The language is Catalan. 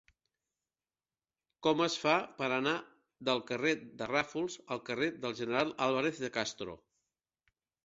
Com es fa per anar del carrer de Ràfols al carrer del General Álvarez de Castro?